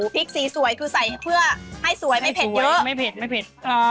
พริกสีสวยคือใส่ให้เพื่อให้สวยไม่เผ็ดเยอะ